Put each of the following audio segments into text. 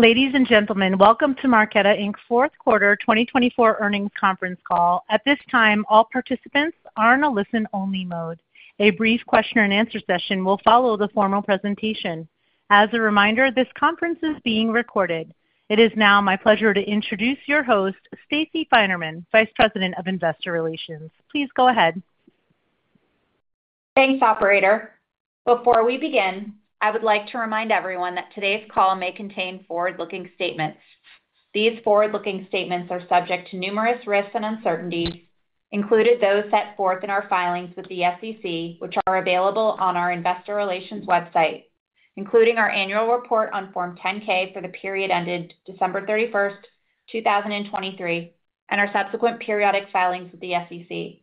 Ladies and gentlemen, welcome to Marqeta Inc's Fourth Quarter 2024 Earnings Conference Call. At this time, all participants are in a listen-only mode. A brief question and answer session will follow the formal presentation. As a reminder, this conference is being recorded. It is now my pleasure to introduce your host, Stacey Finerman, VP of Investor Relations. Please go ahead. Thanks, Operator. Before we begin, I would like to remind everyone that today's call may contain forward-looking statements. These forward-looking statements are subject to numerous risks and uncertainties, including those set forth in our filings with the SEC, which are available on our Investor Relations website, including our annual report on Form 10-K for the period ended December 31st, 2023, and our subsequent periodic filings with the SEC.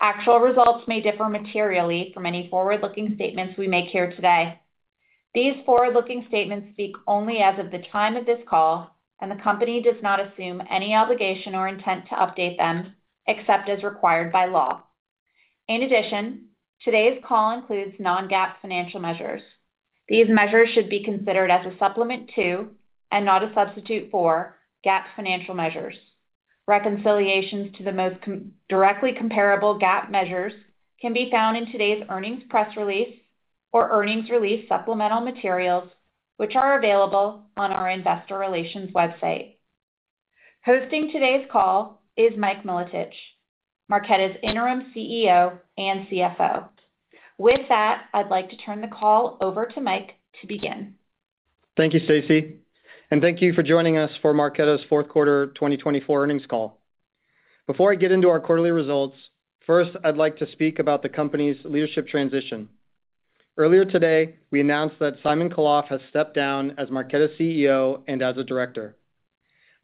Actual results may differ materially from any forward-looking statements we make here today. These forward-looking statements speak only as of the time of this call, and the company does not assume any obligation or intent to update them except as required by law. In addition, today's call includes non-GAAP financial measures. These measures should be considered as a supplement to, and not a substitute for, GAAP financial measures. Reconciliations to the most directly comparable GAAP measures can be found in today's earnings press release or earnings release supplemental materials, which are available on our Investor Relations website. Hosting today's call is Mike Milotich, Marqeta's Interim CEO and CFO. With that, I'd like to turn the call over to Mike to begin. Thank you, Stacey, and thank you for joining us for Marqeta's Fourth Quarter 2024 Earnings Call. Before I get into our quarterly results, first, I'd like to speak about the company's leadership transition. Earlier today, we announced that Simon Khalaf has stepped down as Marqeta's CEO and as a director.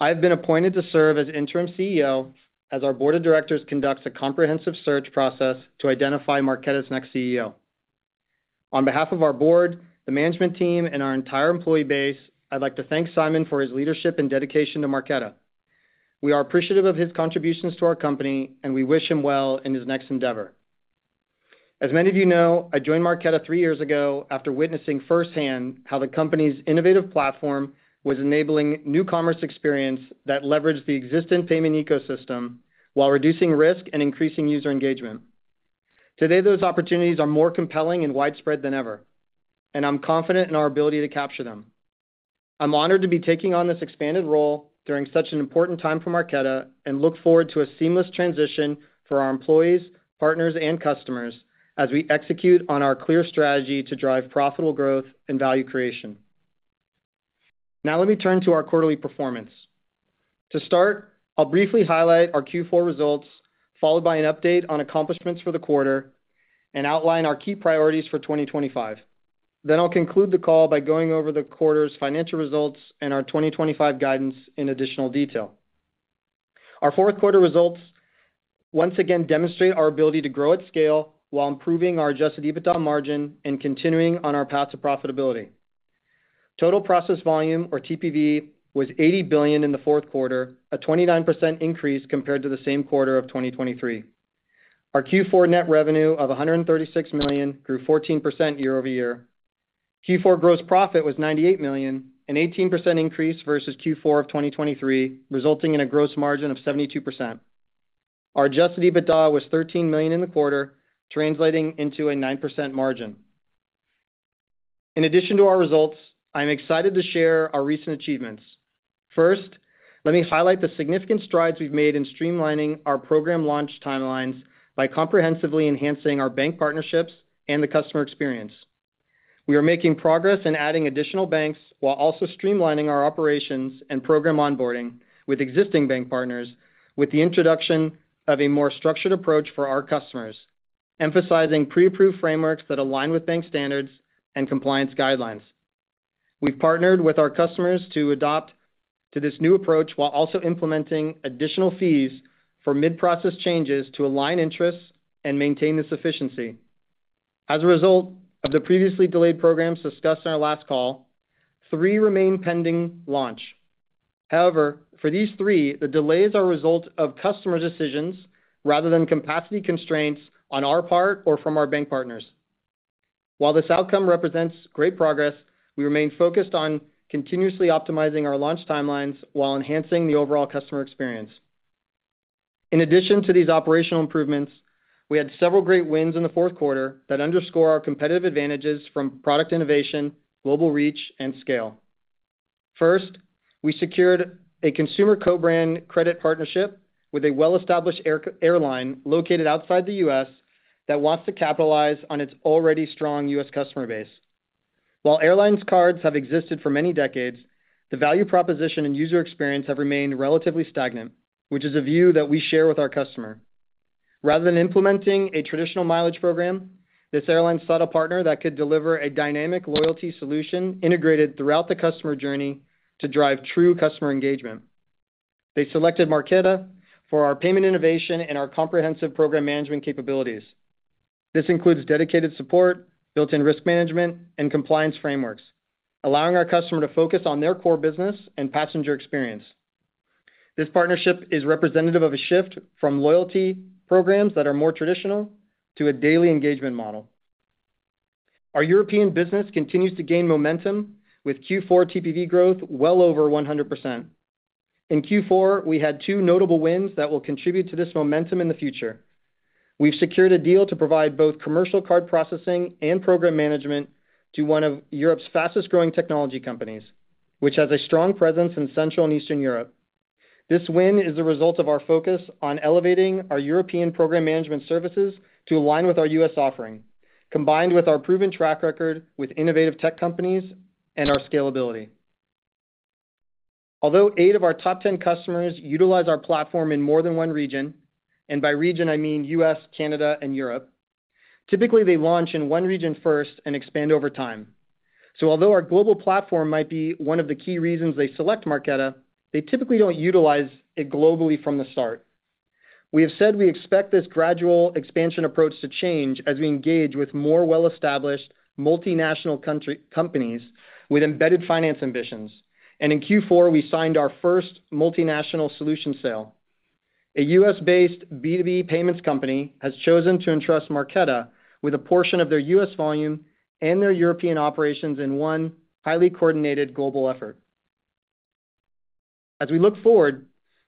I have been appointed to serve as Interim CEO as our Board of Directors conducts a comprehensive search process to identify Marqeta's next CEO. On behalf of our board, the management team, and our entire employee base, I'd like to thank Simon for his leadership and dedication to Marqeta. We are appreciative of his contributions to our company, and we wish him well in his next endeavor. As many of you know, I joined Marqeta three years ago after witnessing firsthand how the company's innovative platform was enabling new commerce experience that leveraged the existing payment ecosystem while reducing risk and increasing user engagement. Today, those opportunities are more compelling and widespread than ever, and I'm confident in our ability to capture them. I'm honored to be taking on this expanded role during such an important time for Marqeta and look forward to a seamless transition for our employees, partners, and customers as we execute on our clear strategy to drive profitable growth and value creation. Now, let me turn to our quarterly performance. To start, I'll briefly highlight our Q4 results, followed by an update on accomplishments for the quarter, and outline our key priorities for 2025. Then I'll conclude the call by going over the quarter's financial results and our 2025 guidance in additional detail. Our fourth quarter results once again demonstrate our ability to grow at scale while improving our Adjusted EBITDA margin and continuing on our path to profitability. Total process volume, or TPV, was $80 billion in the fourth quarter, a 29% increase compared to the same quarter of 2023. Our Q4 net revenue of $136 million grew 14% year-over-year. Q4 gross profit was $98 million, an 18% increase versus Q4 of 2023, resulting in a gross margin of 72%. Our Adjusted EBITDA was $13 million in the quarter, translating into a 9% margin. In addition to our results, I'm excited to share our recent achievements. First, let me highlight the significant strides we've made in streamlining our program launch timelines by comprehensively enhancing our bank partnerships and the customer experience. We are making progress in adding additional banks while also streamlining our operations and program onboarding with existing bank partners with the introduction of a more structured approach for our customers, emphasizing pre-approved frameworks that align with bank standards and compliance guidelines. We've partnered with our customers to adopt this new approach while also implementing additional fees for mid-process changes to align interests and maintain this efficiency. As a result of the previously delayed programs discussed in our last call, three remain pending launch. However, for these three, the delays are a result of customer decisions rather than capacity constraints on our part or from our bank partners. While this outcome represents great progress, we remain focused on continuously optimizing our launch timelines while enhancing the overall customer experience. In addition to these operational improvements, we had several great wins in the fourth quarter that underscore our competitive advantages from product innovation, global reach, and scale. First, we secured a consumer co-brand credit partnership with a well-established airline located outside the U.S. that wants to capitalize on its already strong U.S. customer base. While airlines' cards have existed for many decades, the value proposition and user experience have remained relatively stagnant, which is a view that we share with our customer. Rather than implementing a traditional mileage program, this airline sought a partner that could deliver a dynamic loyalty solution integrated throughout the customer journey to drive true customer engagement. They selected Marqeta for our payment innovation and our comprehensive program management capabilities. This includes dedicated support, built-in risk management, and compliance frameworks, allowing our customer to focus on their core business and passenger experience. This partnership is representative of a shift from loyalty programs that are more traditional to a daily engagement model. Our European business continues to gain momentum with Q4 TPV growth well over 100%. In Q4, we had two notable wins that will contribute to this momentum in the future. We've secured a deal to provide both commercial card processing and program management to one of Europe's fastest-growing technology companies, which has a strong presence in Central and Eastern Europe. This win is the result of our focus on elevating our European program management services to align with our U.S. offering, combined with our proven track record with innovative tech companies and our scalability. Although eight of our top 10 customers utilize our platform in more than one region, and by region, I mean U.S., Canada, and Europe, typically they launch in one region first and expand over time. Although our global platform might be one of the key reasons they select Marqeta, they typically don't utilize it globally from the start. We have said we expect this gradual expansion approach to change as we engage with more well-established multinational companies with embedded finance ambitions. In Q4, we signed our first multinational solution sale. A U.S.-based B2B payments company has chosen to entrust Marqeta with a portion of their U.S. volume and their European operations in one highly coordinated global effort. As we look forward,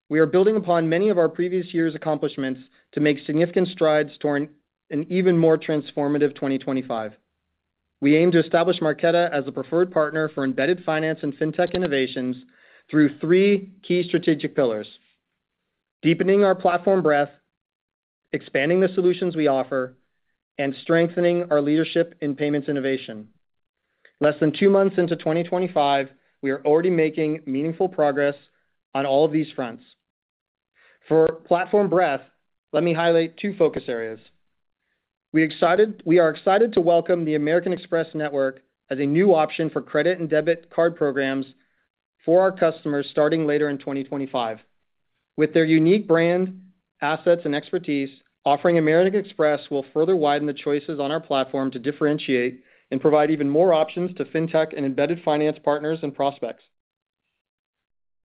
we are building upon many of our previous year's accomplishments to make significant strides toward an even more transformative 2025. We aim to establish Marqeta as a preferred partner for embedded finance and fintech innovations through three key strategic pillars: deepening our platform breadth, expanding the solutions we offer, and strengthening our leadership in payments innovation. Less than two months into 2025, we are already making meaningful progress on all of these fronts. For platform breadth, let me highlight two focus areas. We are excited to welcome the American Express Network as a new option for credit and debit card programs for our customers starting later in 2025. With their unique brand, assets, and expertise, offering American Express will further widen the choices on our platform to differentiate and provide even more options to fintech and embedded finance partners and prospects.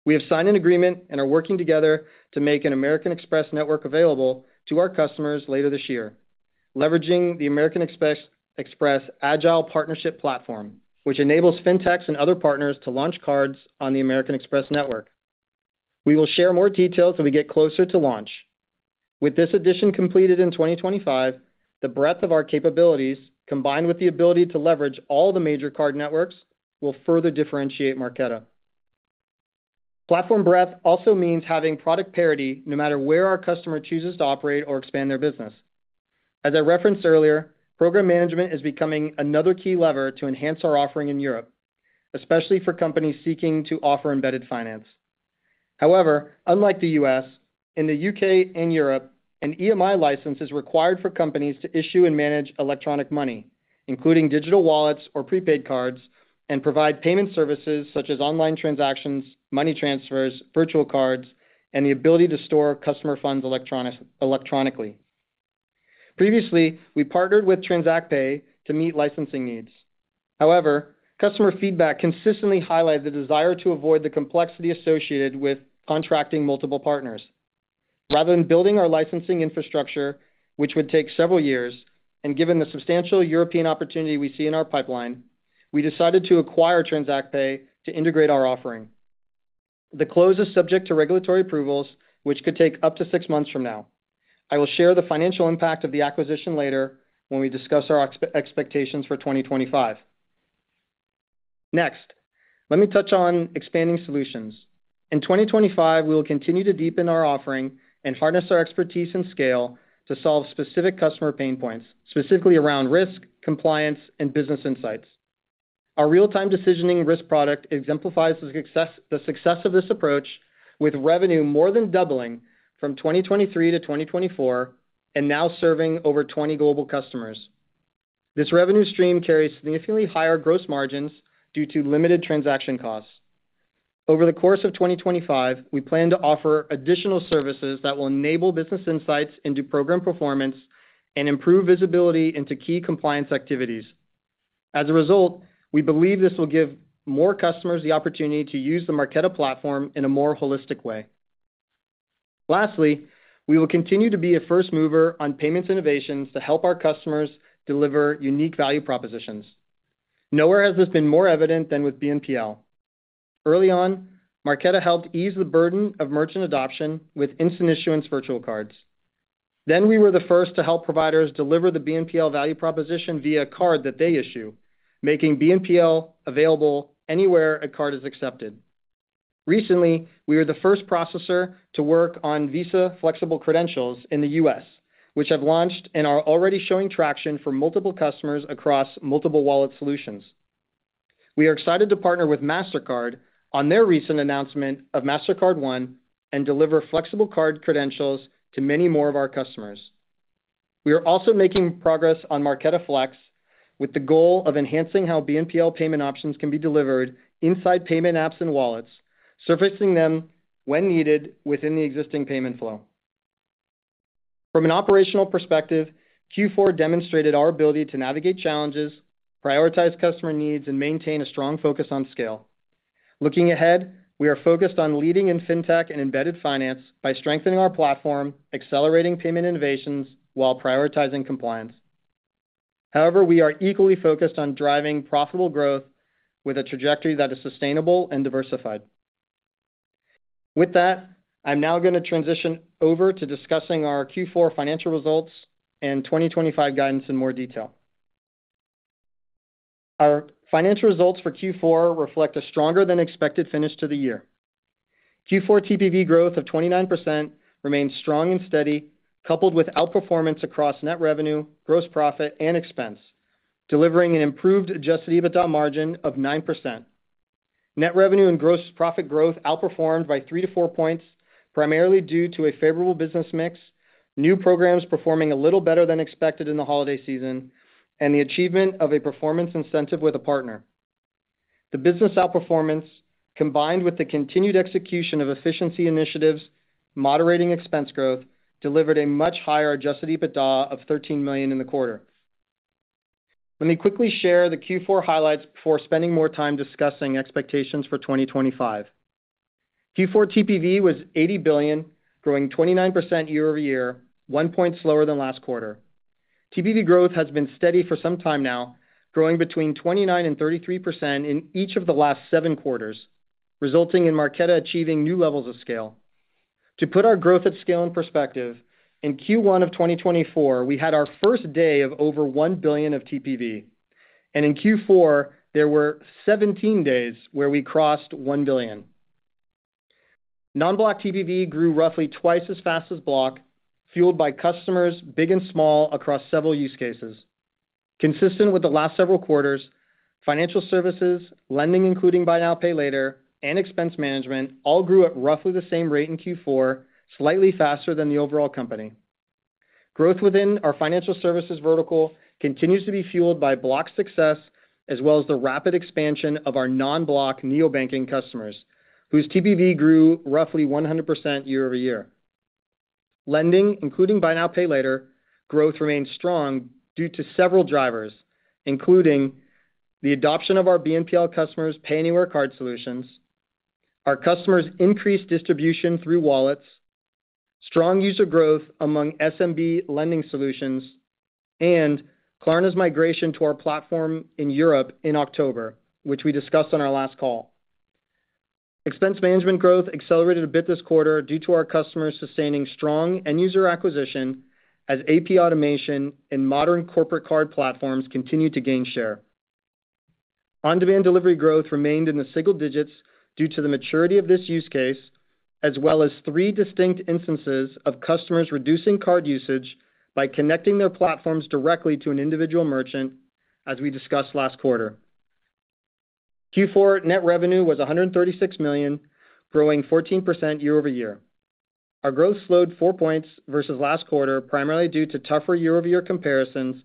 We have signed an agreement and are working together to make an American Express Network available to our customers later this year, leveraging the American Express Agile Partnership Platform, which enables fintechs and other partners to launch cards on the American Express Network. We will share more details as we get closer to launch. With this addition completed in 2025, the breadth of our capabilities, combined with the ability to leverage all the major card networks, will further differentiate Marqeta. Platform breadth also means having product parity no matter where our customer chooses to operate or expand their business. As I referenced earlier, program management is becoming another key lever to enhance our offering in Europe, especially for companies seeking to offer embedded finance. However, unlike the U.S., in the U.K. and Europe, an EMI license is required for companies to issue and manage electronic money, including digital wallets or prepaid cards, and provide payment services such as online transactions, money transfers, virtual cards, and the ability to store customer funds electronically. Previously, we partnered with TransactPay to meet licensing needs. However, customer feedback consistently highlighted the desire to avoid the complexity associated with contracting multiple partners. Rather than building our licensing infrastructure, which would take several years, and given the substantial European opportunity we see in our pipeline, we decided to acquire TransactPay to integrate our offering. The close is subject to regulatory approvals, which could take up to six months from now. I will share the financial impact of the acquisition later when we discuss our expectations for 2025. Next, let me touch on expanding solutions. In 2025, we will continue to deepen our offering and harness our expertise and scale to solve specific customer pain points, specifically around risk, compliance, and business insights. Our real-time decisioning risk product exemplifies the success of this approach, with revenue more than doubling from 2023 to 2024 and now serving over 20 global customers. This revenue stream carries significantly higher gross margins due to limited transaction costs. Over the course of 2025, we plan to offer additional services that will enable business insights into program performance and improve visibility into key compliance activities. As a result, we believe this will give more customers the opportunity to use the Marqeta platform in a more holistic way. Lastly, we will continue to be a first mover on payments innovations to help our customers deliver unique value propositions. Nowhere has this been more evident than with BNPL. Early on, Marqeta helped ease the burden of merchant adoption with instant issuance virtual cards. Then we were the first to help providers deliver the BNPL value proposition via a card that they issue, making BNPL available anywhere a card is accepted. Recently, we were the first processor to work on Visa Flexible Credentials in the U.S., which have launched and are already showing traction for multiple customers across multiple wallet solutions. We are excited to partner with Mastercard on their recent announcement of Mastercard One and deliver flexible card credentials to many more of our customers. We are also making progress on Marqeta Flex with the goal of enhancing how BNPL payment options can be delivered inside payment apps and wallets, surfacing them when needed within the existing payment flow. From an operational perspective, Q4 demonstrated our ability to navigate challenges, prioritize customer needs, and maintain a strong focus on scale. Looking ahead, we are focused on leading in fintech and embedded finance by strengthening our platform, accelerating payment innovations while prioritizing compliance. However, we are equally focused on driving profitable growth with a trajectory that is sustainable and diversified. With that, I'm now going to transition over to discussing our Q4 financial results and 2025 guidance in more detail. Our financial results for Q4 reflect a stronger-than-expected finish to the year. Q4 TPV growth of 29% remains strong and steady, coupled with outperformance across net revenue, gross profit, and expense, delivering an improved adjusted EBITDA margin of 9%. Net revenue and gross profit growth outperformed by three to four points, primarily due to a favorable business mix, new programs performing a little better than expected in the holiday season, and the achievement of a performance incentive with a partner. The business outperformance, combined with the continued execution of efficiency initiatives moderating expense growth, delivered a much higher adjusted EBITDA of $13 million in the quarter. Let me quickly share the Q4 highlights before spending more time discussing expectations for 2025. Q4 TPV was $80 billion, growing 29% year-over-year, one point slower than last quarter. TPV growth has been steady for some time now, growing between 29% and 33% in each of the last seven quarters, resulting in Marqeta achieving new levels of scale. To put our growth at scale in perspective, in Q1 of 2024, we had our first day of over $1 billion of TPV, and in Q4, there were 17 days where we crossed $1 billion. Non-block TPV grew roughly twice as fast as block, fueled by customers big and small across several use cases. Consistent with the last several quarters, financial services, lending, including buy now, pay later, and expense management all grew at roughly the same rate in Q4, slightly faster than the overall company. Growth within our financial services vertical continues to be fueled by block success, as well as the rapid expansion of our non-block neobanking customers, whose TPV grew roughly 100% year-over-year. Lending, including buy now, pay later, growth remained strong due to several drivers, including the adoption of our BNPL customers' pay anywhere card solutions, our customers' increased distribution through wallets, strong user growth among SMB lending solutions, and Klarna's migration to our platform in Europe in October, which we discussed on our last call. Expense management growth accelerated a bit this quarter due to our customers sustaining strong end-user acquisition as AP automation and modern corporate card platforms continue to gain share. On-demand delivery growth remained in the single digits due to the maturity of this use case, as well as three distinct instances of customers reducing card usage by connecting their platforms directly to an individual merchant, as we discussed last quarter. Q4 net revenue was $136 million, growing 14% year-over-year. Our growth slowed four points versus last quarter, primarily due to tougher year-over-year comparisons,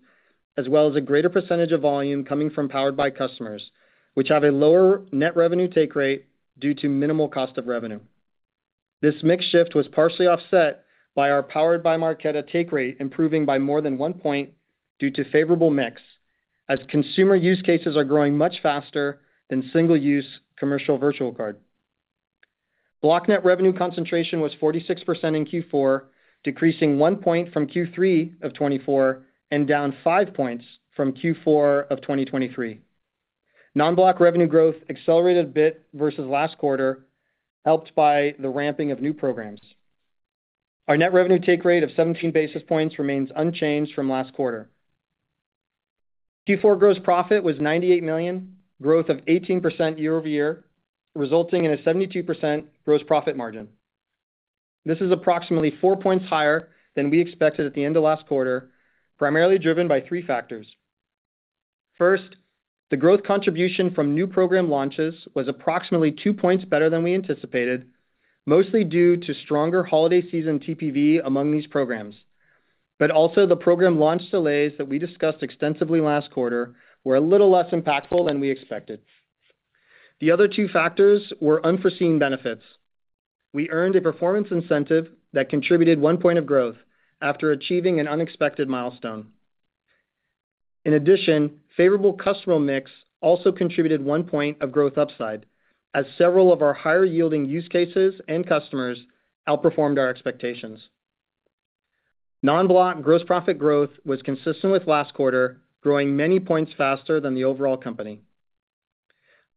as well as a greater percentage of volume coming from powered-by customers, which have a lower net revenue take rate due to minimal cost of revenue. This mix shift was partially offset by our powered-by Marqeta take rate improving by more than one point due to favorable mix, as consumer use cases are growing much faster than single-use commercial virtual card. Block net revenue concentration was 46% in Q4, decreasing one point from Q3 of 2024 and down five points from Q4 of 2023. Non-block revenue growth accelerated a bit versus last quarter, helped by the ramping of new programs. Our net revenue take rate of 17 basis points remains unchanged from last quarter. Q4 gross profit was $98 million, growth of 18% year-over-year, resulting in a 72% gross profit margin. This is approximately four points higher than we expected at the end of last quarter, primarily driven by three factors. First, the growth contribution from new program launches was approximately two points better than we anticipated, mostly due to stronger holiday season TPV among these programs. But also, the program launch delays that we discussed extensively last quarter were a little less impactful than we expected. The other two factors were unforeseen benefits. We earned a performance incentive that contributed one point of growth after achieving an unexpected milestone. In addition, favorable customer mix also contributed one point of growth upside, as several of our higher-yielding use cases and customers outperformed our expectations. Non-Block gross profit growth was consistent with last quarter, growing many points faster than the overall company.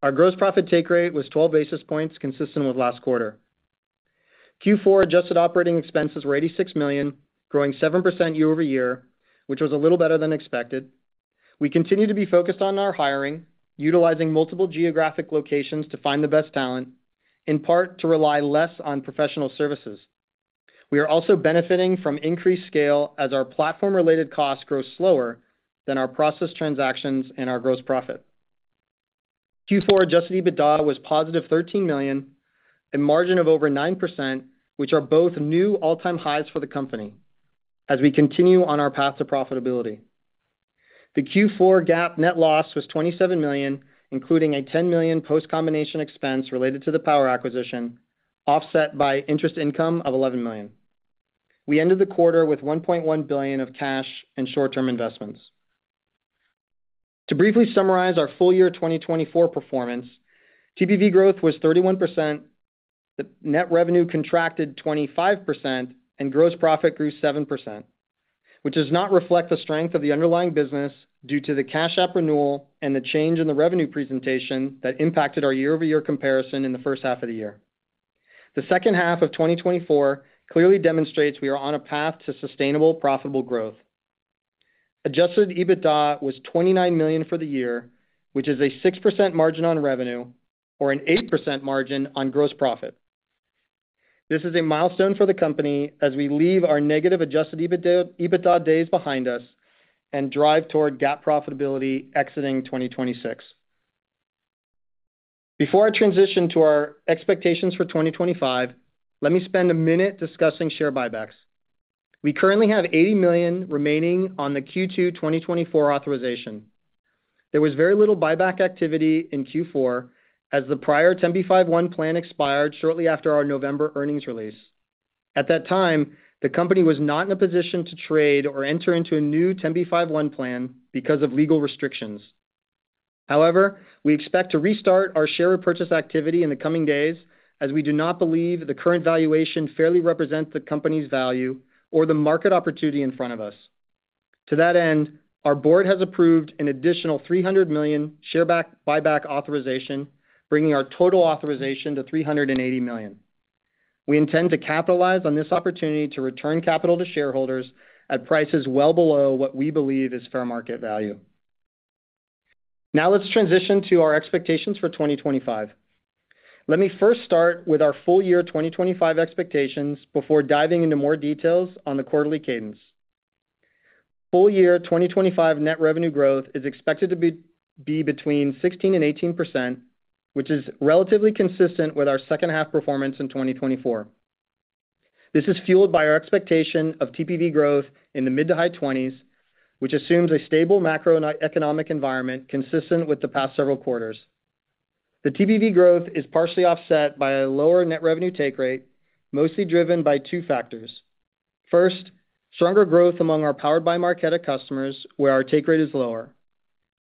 Our gross profit take rate was 12 basis points, consistent with last quarter. Q4 adjusted operating expenses were $86 million, growing 7% year-over-year, which was a little better than expected. We continue to be focused on our hiring, utilizing multiple geographic locations to find the best talent, in part to rely less on professional services. We are also benefiting from increased scale as our platform-related costs grow slower than our processed transactions and our gross profit. Q4 adjusted EBITDA was positive $13 million, a margin of over 9%, which are both new all-time highs for the company, as we continue on our path to profitability. The Q4 GAAP net loss was $27 million, including a $10 million post-combination expense related to the Power acquisition, offset by interest income of $11 million. We ended the quarter with $1.1 billion of cash and short-term investments. To briefly summarize our full year 2024 performance, TPV growth was 31%, net revenue contracted 25%, and gross profit grew 7%, which does not reflect the strength of the underlying business due to the Cash App renewal and the change in the revenue presentation that impacted our year-over-year comparison in the first half of the year. The second half of 2024 clearly demonstrates we are on a path to sustainable, profitable growth. Adjusted EBITDA was $29 million for the year, which is a 6% margin on revenue or an 8% margin on gross profit. This is a milestone for the company as we leave our negative adjusted EBITDA days behind us and drive toward GAAP profitability exiting 2026. Before I transition to our expectations for 2025, let me spend a minute discussing share buybacks. We currently have $80 million remaining on the Q2 2024 authorization. There was very little buyback activity in Q4 as the prior 10b5-1 plan expired shortly after our November earnings release. At that time, the company was not in a position to trade or enter into a new 10b5-1 plan because of legal restrictions. However, we expect to restart our share repurchase activity in the coming days as we do not believe the current valuation fairly represents the company's value or the market opportunity in front of us. To that end, our board has approved an additional $300 million share buyback authorization, bringing our total authorization to $380 million. We intend to capitalize on this opportunity to return capital to shareholders at prices well below what we believe is fair market value. Now let's transition to our expectations for 2025. Let me first start with our full year 2025 expectations before diving into more details on the quarterly cadence. Full year 2025 net revenue growth is expected to be between 16% and 18%, which is relatively consistent with our second-half performance in 2024. This is fueled by our expectation of TPV growth in the mid to high 20s, which assumes a stable macroeconomic environment consistent with the past several quarters. The TPV growth is partially offset by a lower net revenue take rate, mostly driven by two factors. First, stronger growth among our powered-by Marqeta customers, where our take rate is lower.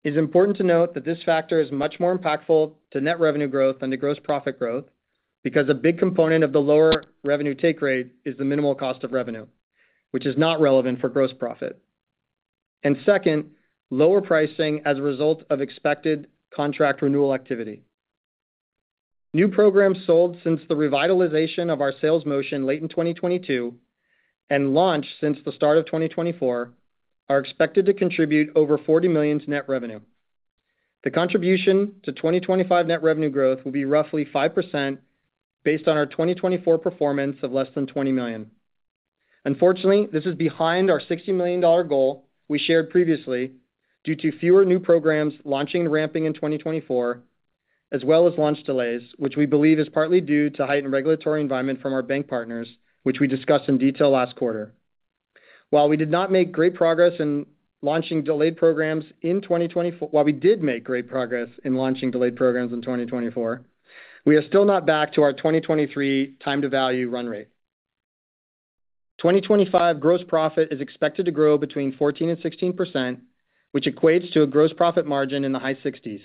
It's important to note that this factor is much more impactful to net revenue growth than to gross profit growth because a big component of the lower revenue take rate is the minimal cost of revenue, which is not relevant for gross profit. And second, lower pricing as a result of expected contract renewal activity. New programs sold since the revitalization of our sales motion late in 2022 and launched since the start of 2024 are expected to contribute over $40 million net revenue. The contribution to 2025 net revenue growth will be roughly 5% based on our 2024 performance of less than $20 million. Unfortunately, this is behind our $60 million goal we shared previously due to fewer new programs launching and ramping in 2024, as well as launch delays, which we believe is partly due to a heightened regulatory environment from our bank partners, which we discussed in detail last quarter. While we did make great progress in launching delayed programs in 2024, we are still not back to our 2023 time-to-value run rate. 2025 gross profit is expected to grow between 14% and 16%, which equates to a gross profit margin in the high 60s.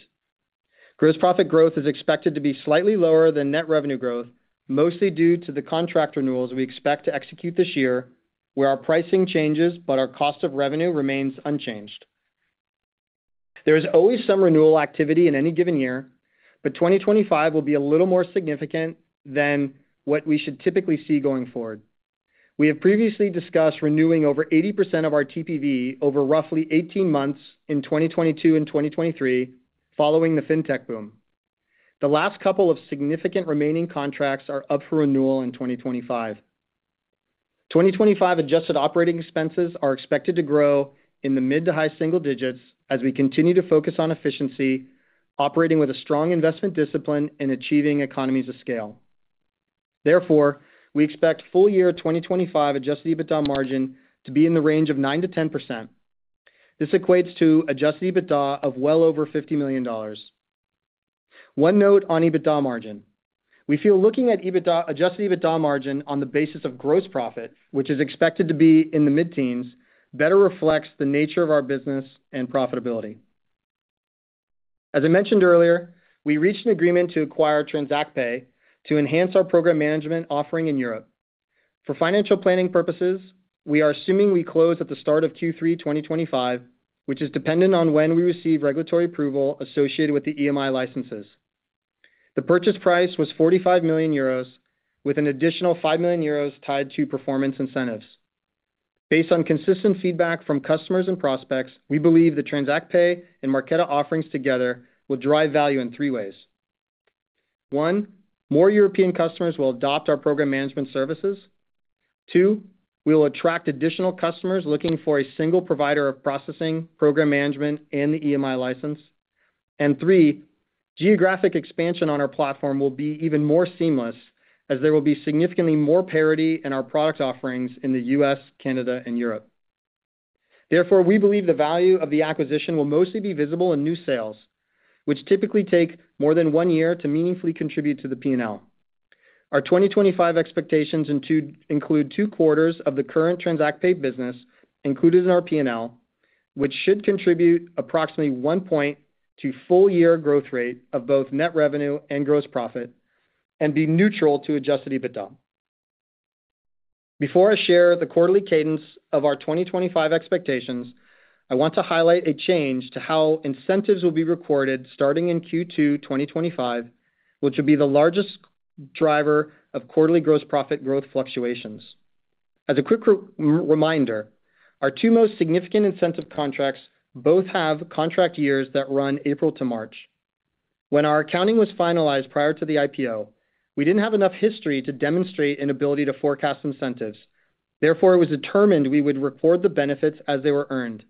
Gross profit growth is expected to be slightly lower than net revenue growth, mostly due to the contract renewals we expect to execute this year, where our pricing changes, but our cost of revenue remains unchanged. There is always some renewal activity in any given year, but 2025 will be a little more significant than what we should typically see going forward. We have previously discussed renewing over 80% of our TPV over roughly 18 months in 2022 and 2023, following the fintech boom. The last couple of significant remaining contracts are up for renewal in 2025. 2025 adjusted operating expenses are expected to grow in the mid to high single digits as we continue to focus on efficiency, operating with a strong investment discipline and achieving economies of scale. Therefore, we expect full year 2025 adjusted EBITDA margin to be in the range of 9% to 10%. This equates to adjusted EBITDA of well over $50 million. One note on EBITDA margin. We feel looking at adjusted EBITDA margin on the basis of gross profit, which is expected to be in the mid-teens, better reflects the nature of our business and profitability. As I mentioned earlier, we reached an agreement to acquire TransactPay to enhance our program management offering in Europe. For financial planning purposes, we are assuming we close at the start of Q3 2025, which is dependent on when we receive regulatory approval associated with the EMI licenses. The purchase price was 45 million euros, with an additional 5 million euros tied to performance incentives. Based on consistent feedback from customers and prospects, we believe the TransactPay and Marqeta offerings together will drive value in three ways. One, more European customers will adopt our program management services. Two, we will attract additional customers looking for a single provider of processing, program management, and the EMI license. And three, geographic expansion on our platform will be even more seamless, as there will be significantly more parity in our product offerings in the U.S., Canada, and Europe. Therefore, we believe the value of the acquisition will mostly be visible in new sales, which typically take more than one year to meaningfully contribute to the P&L. Our 2025 expectations include two quarters of the current TransactPay business included in our P&L, which should contribute approximately one point to full year growth rate of both net revenue and gross profit and be neutral to Adjusted EBITDA. Before I share the quarterly cadence of our 2025 expectations, I want to highlight a change to how incentives will be recorded starting in Q2 2025, which will be the largest driver of quarterly gross profit growth fluctuations. As a quick reminder, our two most significant incentive contracts both have contract years that run April to March. When our accounting was finalized prior to the IPO, we didn't have enough history to demonstrate an ability to forecast incentives. Therefore, it was determined we would record the benefits as they were earned.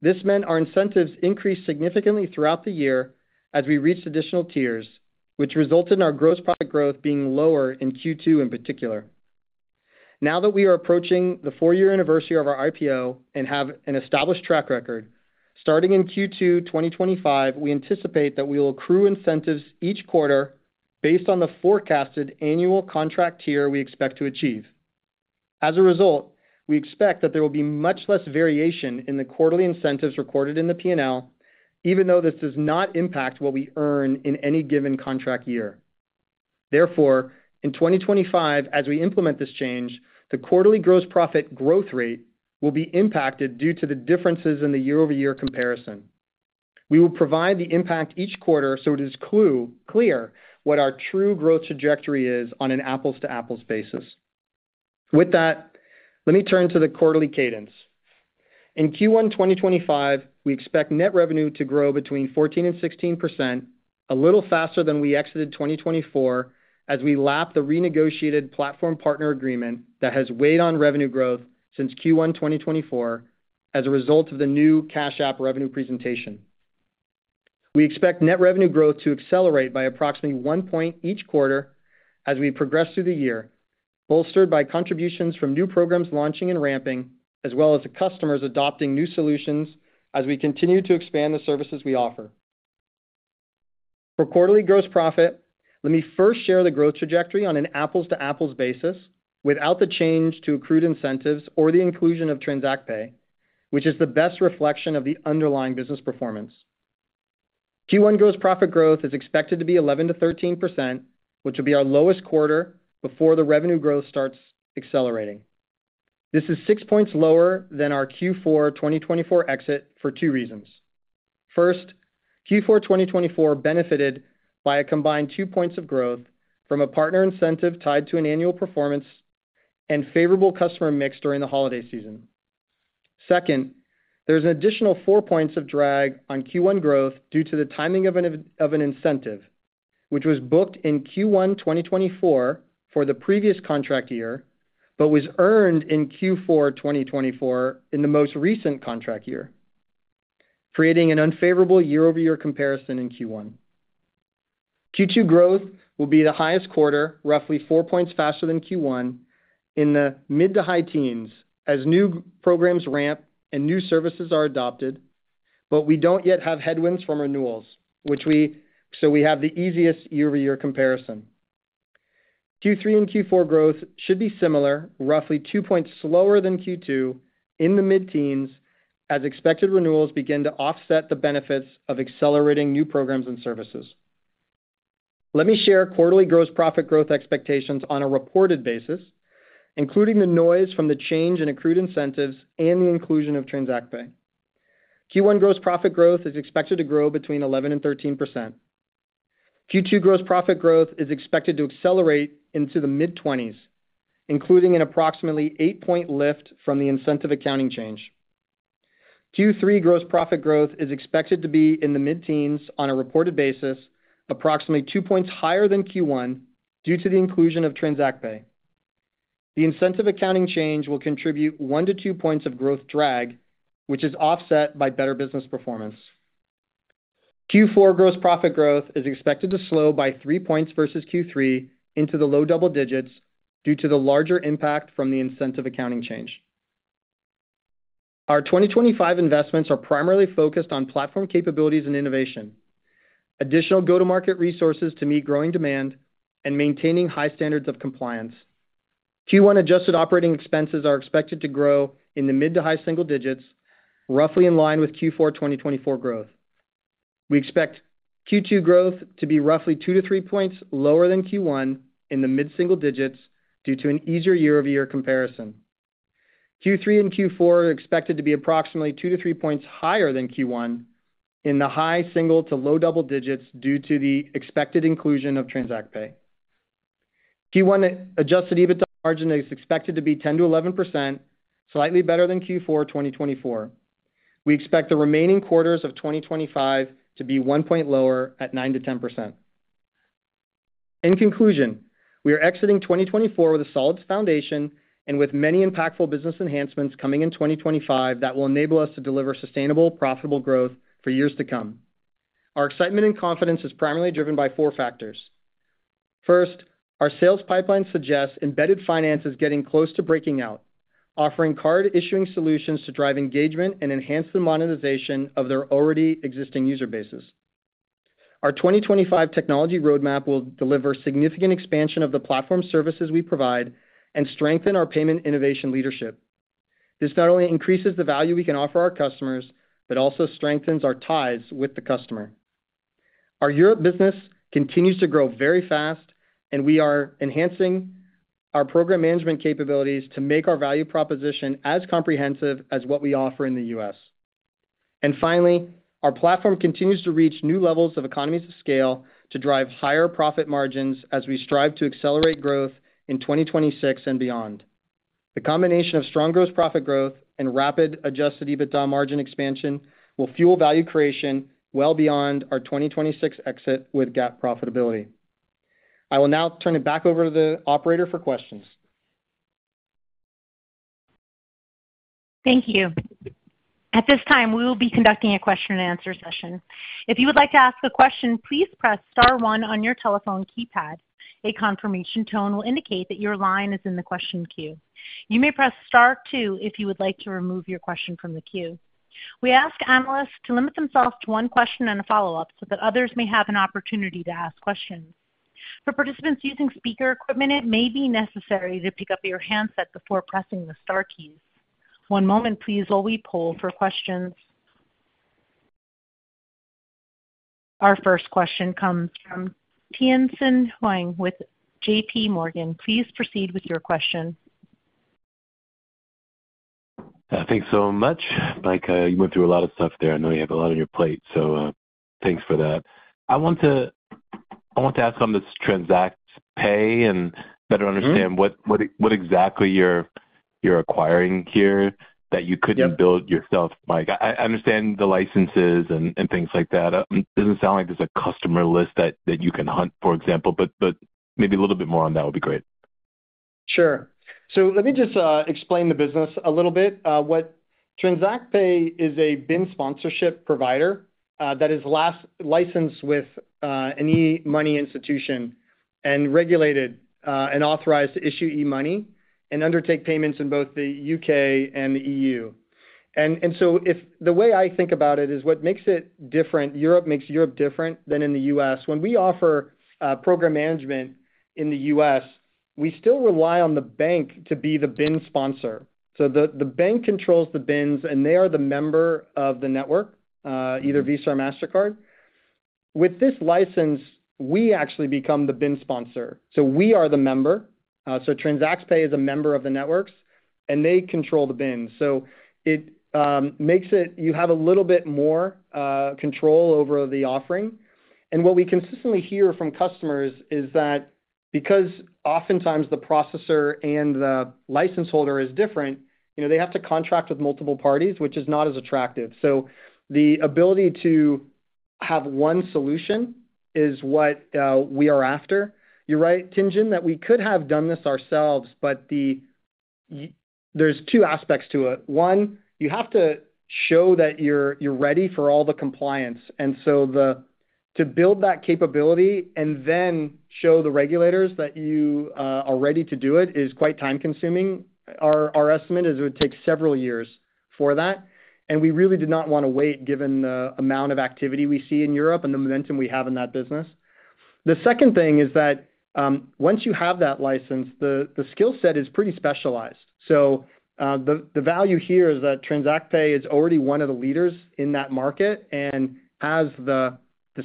This meant our incentives increased significantly throughout the year as we reached additional tiers, which resulted in our gross profit growth being lower in Q2 in particular. Now that we are approaching the four-year anniversary of our IPO and have an established track record, starting in Q2 2025, we anticipate that we will accrue incentives each quarter based on the forecasted annual contract tier we expect to achieve. As a result, we expect that there will be much less variation in the quarterly incentives recorded in the P&L, even though this does not impact what we earn in any given contract year. Therefore, in 2025, as we implement this change, the quarterly gross profit growth rate will be impacted due to the differences in the year-over-year comparison. We will provide the impact each quarter so it is clear what our true growth trajectory is on an apples-to-apples basis. With that, let me turn to the quarterly cadence. In Q1 2025, we expect net revenue to grow between 14% and 16%, a little faster than we exited 2024 as we lap the renegotiated platform partner agreement that has weighed on revenue growth since Q1 2024 as a result of the new Cash App revenue presentation. We expect net revenue growth to accelerate by approximately one point each quarter as we progress through the year, bolstered by contributions from new programs launching and ramping, as well as customers adopting new solutions as we continue to expand the services we offer. For quarterly gross profit, let me first share the growth trajectory on an apples-to-apples basis without the change to accrued incentives or the inclusion of TransactPay, which is the best reflection of the underlying business performance. Q1 gross profit growth is expected to be 11%-13%, which will be our lowest quarter before the revenue growth starts accelerating. This is six points lower than our Q4 2024 exit for two reasons. First, Q4 2024 benefited by a combined two points of growth from a partner incentive tied to an annual performance and favorable customer mix during the holiday season. Second, there's an additional four points of drag on Q1 growth due to the timing of an incentive, which was booked in Q1 2024 for the previous contract year, but was earned in Q4 2024 in the most recent contract year, creating an unfavorable year-over-year comparison in Q1. Q2 growth will be the highest quarter, roughly four points faster than Q1 in the mid to high teens as new programs ramp and new services are adopted, but we don't yet have headwinds from renewals, which we have the easiest year-over-year comparison. Q3 and Q4 growth should be similar, roughly two points slower than Q2 in the mid-teens as expected renewals begin to offset the benefits of accelerating new programs and services. Let me share quarterly gross profit growth expectations on a reported basis, including the noise from the change in accrued incentives and the inclusion of TransactPay. Q1 gross profit growth is expected to grow between 11% and 13%. Q2 gross profit growth is expected to accelerate into the mid-20s, including an approximately eight-point lift from the incentive accounting change. Q3 gross profit growth is expected to be in the mid-teens on a reported basis, approximately two points higher than Q1 due to the inclusion of TransactPay. The incentive accounting change will contribute one to two points of growth drag, which is offset by better business performance. Q4 gross profit growth is expected to slow by three points versus Q3 into the low double digits due to the larger impact from the incentive accounting change. Our 2025 investments are primarily focused on platform capabilities and innovation, additional go-to-market resources to meet growing demand, and maintaining high standards of compliance. Q1 adjusted operating expenses are expected to grow in the mid to high single digits, roughly in line with Q4 2024 growth. We expect Q2 growth to be roughly two to three points lower than Q1 in the mid single digits due to an easier year-over-year comparison. Q3 and Q4 are expected to be approximately two to three points higher than Q1 in the high single to low double digits due to the expected inclusion of TransactPay. Q1 adjusted EBITDA margin is expected to be 10% to 11%, slightly better than Q4 2024. We expect the remaining quarters of 2025 to be one point lower at 9% to 10%. In conclusion, we are exiting 2024 with a solid foundation and with many impactful business enhancements coming in 2025 that will enable us to deliver sustainable, profitable growth for years to come. Our excitement and confidence is primarily driven by four factors. First, our sales pipeline suggests embedded finance is getting close to breaking out, offering card-issuing solutions to drive engagement and enhance the monetization of their already existing user bases. Our 2025 technology roadmap will deliver significant expansion of the platform services we provide and strengthen our payment innovation leadership. This not only increases the value we can offer our customers, but also strengthens our ties with the customer. Our Europe business continues to grow very fast, and we are enhancing our program management capabilities to make our value proposition as comprehensive as what we offer in the U.S. And finally, our platform continues to reach new levels of economies of scale to drive higher profit margins as we strive to accelerate growth in 2026 and beyond. The combination of strong gross profit growth and rapid adjusted EBITDA margin expansion will fuel value creation well beyond our 2026 exit with GAAP profitability. I will now turn it back over to the operator for questions. Thank you. At this time, we will be conducting a question-and-answer session. If you would like to ask a question, please press Star 1 on your telephone keypad. A confirmation tone will indicate that your line is in the question queue. You may press Star 2 if you would like to remove your question from the queue. We ask analysts to limit themselves to one question and a follow-up so that others may have an opportunity to ask questions. For participants using speaker equipment, it may be necessary to pick up your handset before pressing the Star keys. One moment, please, while we poll for questions. Our first question comes from Tien-tsin Huang with JPMorgan. Please proceed with your question. Thanks so much. Mike, you went through a lot of stuff there. I know you have a lot on your plate, so thanks for that. I want to ask on this TransactPay and better understand what exactly you're acquiring here that you couldn't build yourself, Mike. I understand the licenses and things like that. It doesn't sound like there's a customer list that you can hunt, for example, but maybe a little bit more on that would be great. Sure. So let me just explain the business a little bit. TransactPay is a BIN sponsorship provider that is licensed with an E-Money Institution and regulated and authorized to issue e-money and undertake payments in both the U.K. and the E.U. And so the way I think about it is what makes it different. Europe makes Europe different than in the U.S. When we offer program management in the U.S., we still rely on the bank to be the BIN sponsor. So the bank controls the BINs, and they are the member of the network, either Visa or Mastercard. With this license, we actually become the BIN sponsor. So we are the member. So TransactPay is a member of the networks, and they control the BIN. So it makes it you have a little bit more control over the offering. And what we consistently hear from customers is that because oftentimes the processor and the license holder is different, they have to contract with multiple parties, which is not as attractive. So the ability to have one solution is what we are after. You're right, Tien-Tsin, that we could have done this ourselves, but there's two aspects to it. One, you have to show that you're ready for all the compliance. And so to build that capability and then show the regulators that you are ready to do it is quite time-consuming. Our estimate is it would take several years for that. And we really did not want to wait given the amount of activity we see in Europe and the momentum we have in that business. The second thing is that once you have that license, the skill set is pretty specialized. So the value here is that TransactPay is already one of the leaders in that market and has the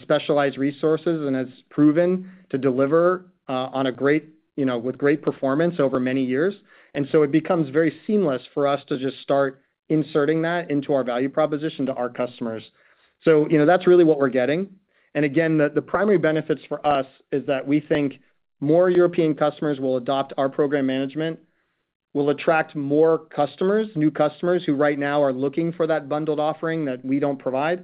specialized resources and has proven to deliver with great performance over many years. And so it becomes very seamless for us to just start inserting that into our value proposition to our customers. So that's really what we're getting. And again, the primary benefits for us is that we think more European customers will adopt our program management, will attract more customers, new customers who right now are looking for that bundled offering that we don't provide.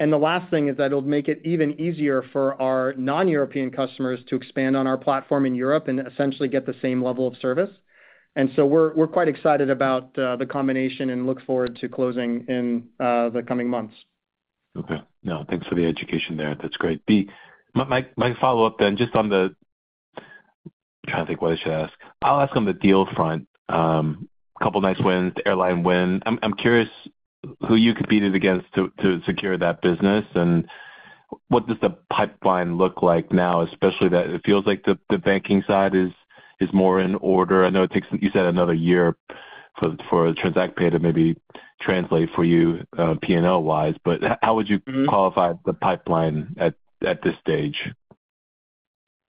And the last thing is that it'll make it even easier for our non-European customers to expand on our platform in Europe and essentially get the same level of service. And so we're quite excited about the combination and look forward to closing in the coming months. Okay. No, thanks for the education there. That's great. My follow-up then, just on the... I'm trying to think what I should ask. I'll ask on the deal front. A couple of nice wins, airline win. I'm curious who you competed against to secure that business, and what does the pipeline look like now, especially that it feels like the banking side is more in order? I know it takes, you said, another year for TransactPay to maybe translate for you P&L-wise, but how would you qualify the pipeline at this stage?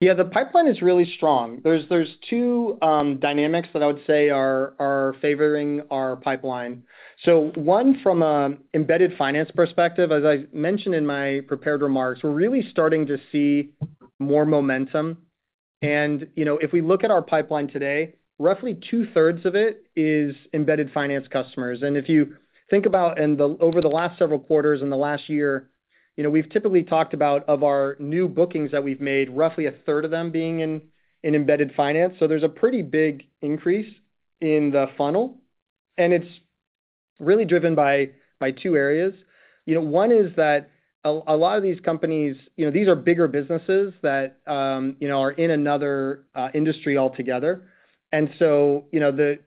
Yeah, the pipeline is really strong. There's two dynamics that I would say are favoring our pipeline. So one, from an embedded finance perspective, as I mentioned in my prepared remarks, we're really starting to see more momentum. And if we look at our pipeline today, roughly two-thirds of it is embedded finance customers. And if you think about over the last several quarters and the last year, we've typically talked about of our new bookings that we've made, roughly a third of them being in embedded finance. So there's a pretty big increase in the funnel. And it's really driven by two areas. One is that a lot of these companies, these are bigger businesses that are in another industry altogether. And so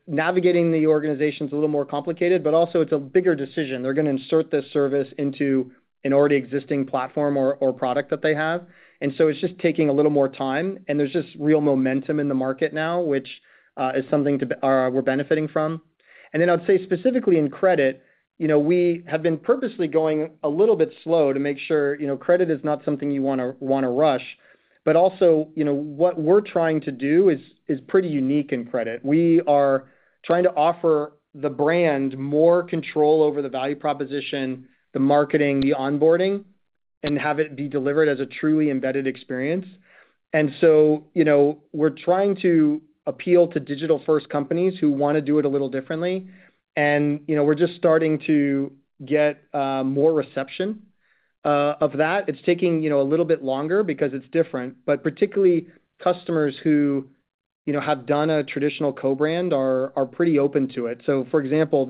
navigating the organization is a little more complicated, but also it's a bigger decision. They're going to insert this service into an already existing platform or product that they have. And so it's just taking a little more time. And there's just real momentum in the market now, which is something we're benefiting from. And then I'd say specifically in credit, we have been purposely going a little bit slow to make sure credit is not something you want to rush. But also, what we're trying to do is pretty unique in credit. We are trying to offer the brand more control over the value proposition, the marketing, the onboarding, and have it be delivered as a truly embedded experience, and so we're trying to appeal to digital-first companies who want to do it a little differently, and we're just starting to get more reception of that. It's taking a little bit longer because it's different, but particularly customers who have done a traditional co-brand are pretty open to it, so for example,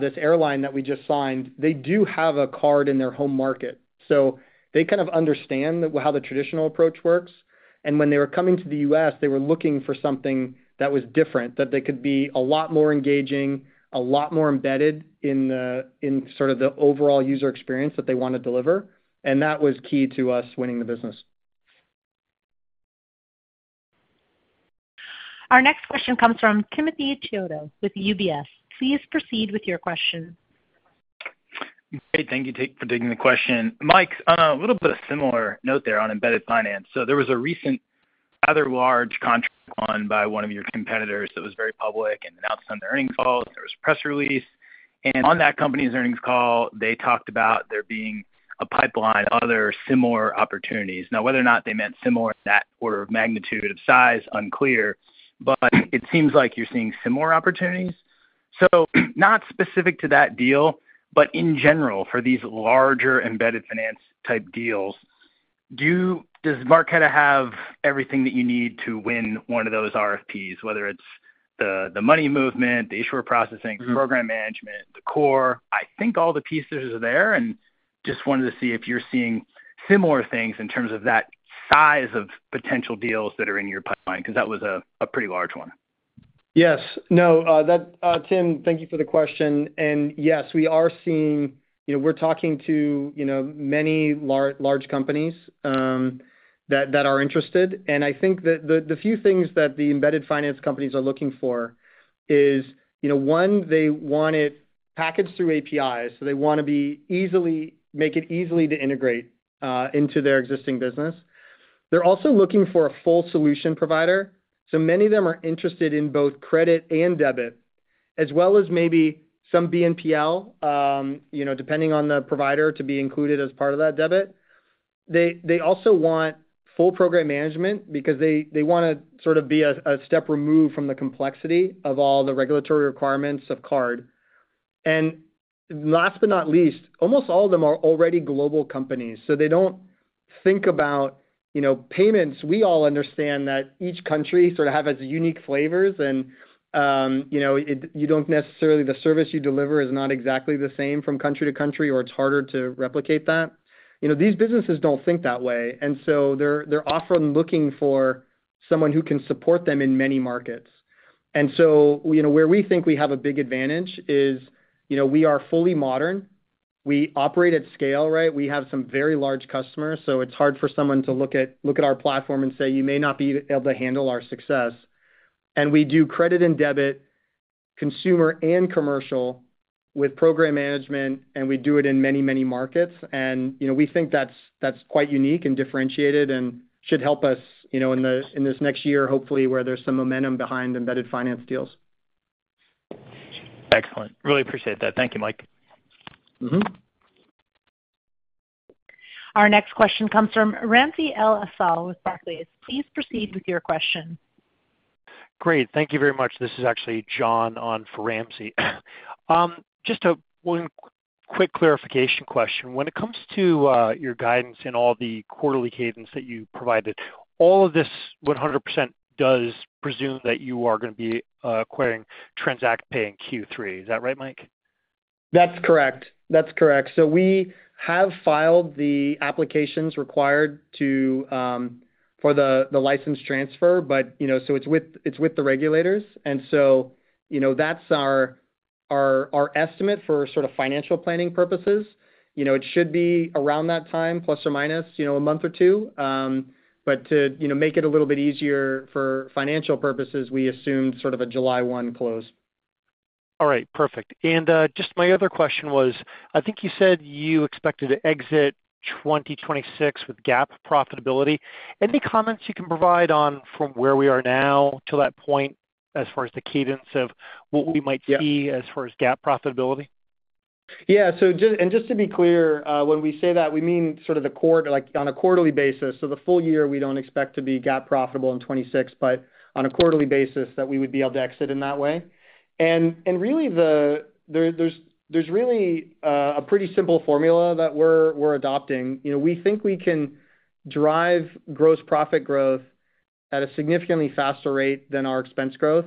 this airline that we just signed, they do have a card in their home market, so they kind of understand how the traditional approach works, and when they were coming to the U.S., they were looking for something that was different, that they could be a lot more engaging, a lot more embedded in sort of the overall user experience that they want to deliver. And that was key to us winning the business. Our next question comes from Timothy Chiodo with UBS. Please proceed with your question. Great. Thank you for taking the question. Mike, a little bit of a similar note there on embedded finance. So there was a recent rather large contract won by one of your competitors that was very public and announced on the earnings call. There was a press release. And on that company's earnings call, they talked about there being a pipeline, other similar opportunities. Now, whether or not they meant similar in that order of magnitude of size, unclear, but it seems like you're seeing similar opportunities. So not specific to that deal, but in general, for these larger embedded finance type deals, does Marqeta have everything that you need to win one of those RFPs, whether it's the money movement, the issuer processing, program management, the core? I think all the pieces are there. And just wanted to see if you're seeing similar things in terms of that size of potential deals that are in your pipeline because that was a pretty large one. Yes. No, Tim, thank you for the question. And yes, we are seeing we're talking to many large companies that are interested. And I think that the few things that the embedded finance companies are looking for is, one, they want it packaged through APIs. So they want to make it easy to integrate into their existing business. They're also looking for a full solution provider. So many of them are interested in both credit and debit, as well as maybe some BNPL, depending on the provider to be included as part of that debit. They also want full program management because they want to sort of be a step removed from the complexity of all the regulatory requirements of card. And last but not least, almost all of them are already global companies. So they don't think about payments. We all understand that each country sort of has unique flavors, and you don't necessarily the service you deliver is not exactly the same from country to country, or it's harder to replicate that. These businesses don't think that way. And so they're often looking for someone who can support them in many markets. And so where we think we have a big advantage is we are fully modern. We operate at scale, right? We have some very large customers. So it's hard for someone to look at our platform and say, "You may not be able to handle our success." And we do credit and debit, consumer and commercial, with program management, and we do it in many, many markets. And we think that's quite unique and differentiated and should help us in this next year, hopefully, where there's some momentum behind embedded finance deals. Excellent. Really appreciate that. Thank you, Mike. Our next question comes from Ramsey El-Assal with Barclays. Please proceed with your question. Great. Thank you very much. This is actually John on for Ramsey. Just a quick clarification question. When it comes to your guidance and all the quarterly cadence that you provided, all of this 100% does presume that you are going to be acquiring TransactPay in Q3. Is that right, Mike? That's correct. That's correct. So we have filed the applications required for the license transfer, but so it's with the regulators. And so that's our estimate for sort of financial planning purposes. It should be around that time, plus or minus a month or two. But to make it a little bit easier for financial purposes, we assumed sort of a July 1 close. All right. Perfect. And just my other question was, I think you said you expected to exit 2026 with GAAP profitability. Any comments you can provide on from where we are now to that point as far as the cadence of what we might see as far as GAAP profitability? Yeah. And just to be clear, when we say that, we mean sort of on a quarterly basis. So, the full year, we don't expect to be GAAP profitable in 2026, but on a quarterly basis, we would be able to exit in that way. And really, there's a pretty simple formula that we're adopting. We think we can drive gross profit growth at a significantly faster rate than our expense growth.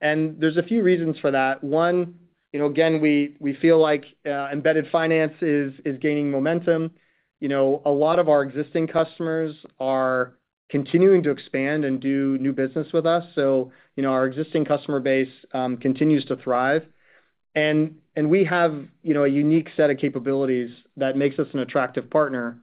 And there's a few reasons for that. One, again, we feel like embedded finance is gaining momentum. A lot of our existing customers are continuing to expand and do new business with us. So our existing customer base continues to thrive. And we have a unique set of capabilities that makes us an attractive partner.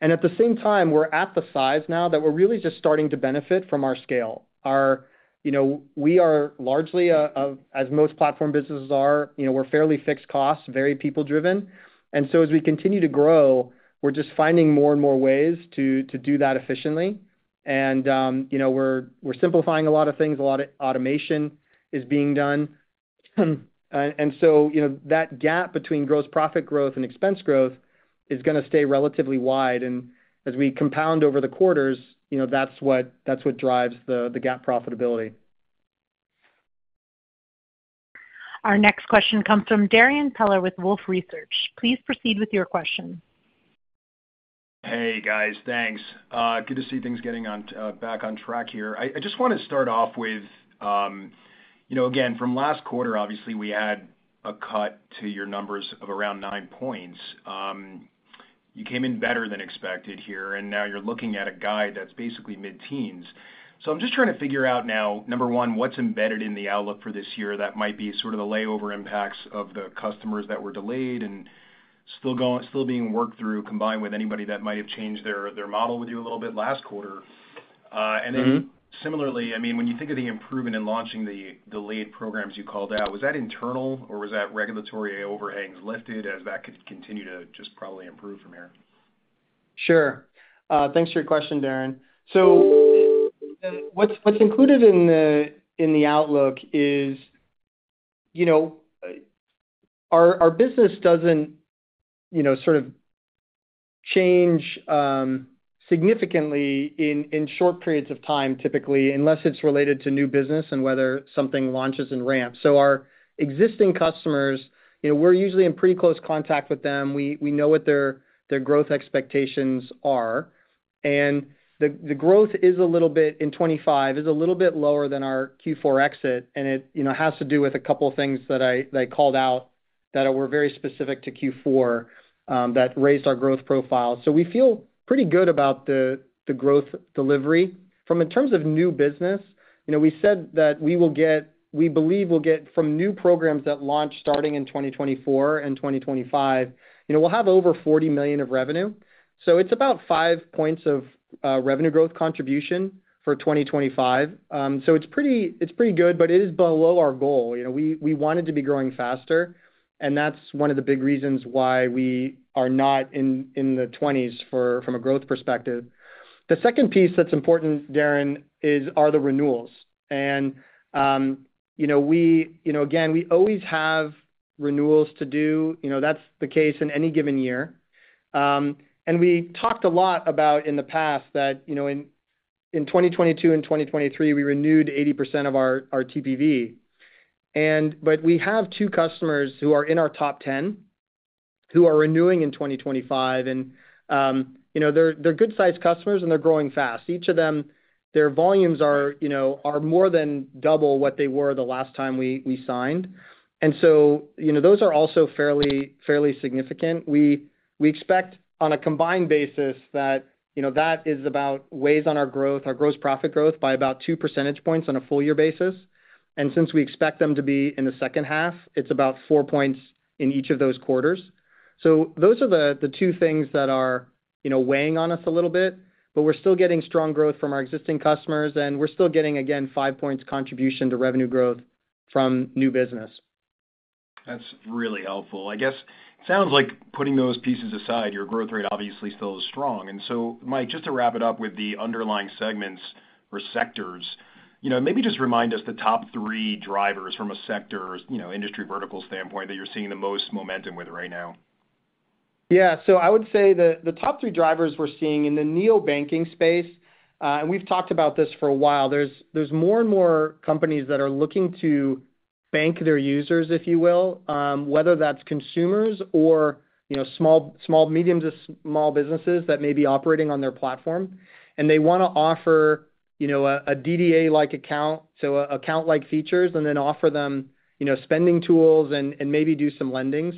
And at the same time, we're at the size now that we're really just starting to benefit from our scale. We are largely, as most platform businesses are, we're fairly fixed costs, very people-driven. And so as we continue to grow, we're just finding more and more ways to do that efficiently. And we're simplifying a lot of things. A lot of automation is being done. And so that gap between gross profit growth and expense growth is going to stay relatively wide. And as we compound over the quarters, that's what drives the GAAP profitability. Our next question comes from Darrin Peller with Wolfe Research. Please proceed with your question. Hey, guys. Thanks. Good to see things getting back on track here. I just want to start off with, again, from last quarter, obviously, we had a cut to your numbers of around nine points. You came in better than expected here. And now you're looking at guidance that's basically mid-teens. So I'm just trying to figure out now, number one, what's embedded in the outlook for this year that might be sort of the hangover impacts of the customers that were delayed and still being worked through combined with anybody that might have changed their model with you a little bit last quarter. And then similarly, I mean, when you think of the improvement in launching the delayed programs you called out, was that internal, or was that regulatory overhangs lifted as that could continue to just probably improve from here? Sure. Thanks for your question, Darrin. So what's included in the outlook is our business doesn't sort of change significantly in short periods of time, typically, unless it's related to new business and whether something launches and ramps. So our existing customers, we're usually in pretty close contact with them. We know what their growth expectations are. The growth is a little bit in 2025 is a little bit lower than our Q4 exit. It has to do with a couple of things that I called out that were very specific to Q4 that raised our growth profile. So we feel pretty good about the growth delivery. In terms of new business, we said that we believe we'll get from new programs that launch starting in 2024 and 2025, we'll have over $40 million of revenue. So it's about five points of revenue growth contribution for 2025. So it's pretty good, but it is below our goal. We wanted to be growing faster. That's one of the big reasons why we are not in the 20s from a growth perspective. The second piece that's important, Darrin, are the renewals. Again, we always have renewals to do. That's the case in any given year, and we talked a lot about in the past that in 2022 and 2023, we renewed 80% of our TPV. But we have two customers who are in our top 10 who are renewing in 2025, and they're good-sized customers, and they're growing fast. Each of them, their volumes are more than double what they were the last time we signed, and so those are also fairly significant. We expect on a combined basis that that is about weighs on our growth, our gross profit growth by about two percentage points on a full-year basis, and since we expect them to be in the second half, it's about four points in each of those quarters, so those are the two things that are weighing on us a little bit, but we're still getting strong growth from our existing customers. We're still getting, again, five points contribution to revenue growth from new business. That's really helpful. I guess it sounds like putting those pieces aside, your growth rate obviously still is strong. And so, Mike, just to wrap it up with the underlying segments or sectors, maybe just remind us the top three drivers from a sector, industry vertical standpoint, that you're seeing the most momentum with right now. Yeah. So I would say the top three drivers we're seeing in the neobanking space, and we've talked about this for a while, there's more and more companies that are looking to bank their users, if you will, whether that's consumers or small, medium to small businesses that may be operating on their platform. And they want to offer a DDA-like account, so account-like features, and then offer them spending tools and maybe do some lending.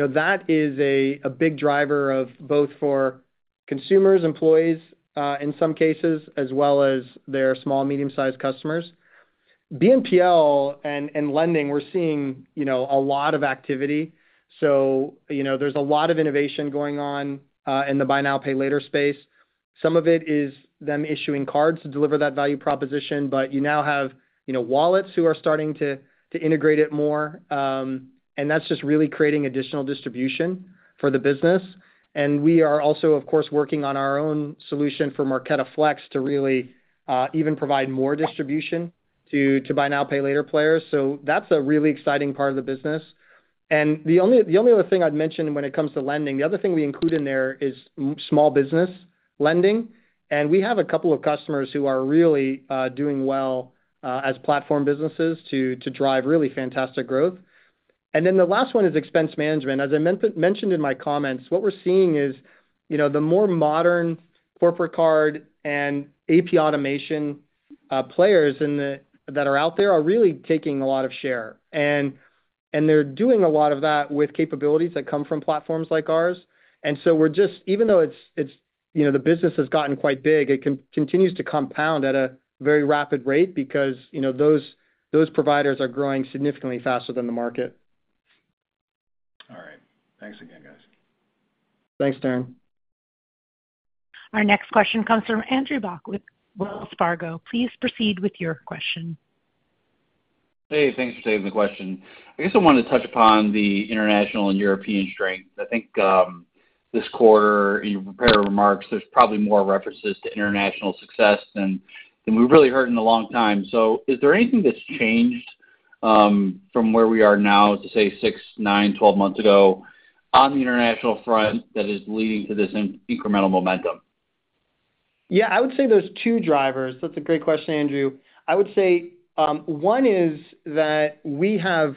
That is a big driver of both for consumers, employees in some cases, as well as their small, medium-sized customers. BNPL and lending, we're seeing a lot of activity. There's a lot of innovation going on in the buy now, pay later space. Some of it is them issuing cards to deliver that value proposition. But you now have wallets who are starting to integrate it more. And that's just really creating additional distribution for the business. We are also, of course, working on our own solution for Marqeta Flex to really even provide more distribution to buy now, pay later players. That's a really exciting part of the business. The only other thing I'd mention when it comes to lending, the other thing we include in there is small business lending. We have a couple of customers who are really doing well as platform businesses to drive really fantastic growth. And then the last one is expense management. As I mentioned in my comments, what we're seeing is the more modern corporate card and AP automation players that are out there are really taking a lot of share. And they're doing a lot of that with capabilities that come from platforms like ours. And so we're just, even though the business has gotten quite big, it continues to compound at a very rapid rate because those providers are growing significantly faster than the market. All right. Thanks again, guys. Thanks, Darrin. Our next question comes from Andrew Bauch with Wells Fargo. Please proceed with your question. Hey, thanks for taking the question. I guess I wanted to touch upon the international and European strength. I think this quarter, in your prepared remarks, there's probably more references to international success than we've really heard in a long time. So is there anything that's changed from where we are now to say six, nine, 12 months ago on the international front that is leading to this incremental momentum? Yeah, I would say those two drivers. That's a great question, Andrew. I would say one is that we have